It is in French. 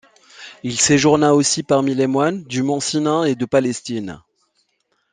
Il séjourna aussi parmi les moines du Mont Sinaï et de Palestine.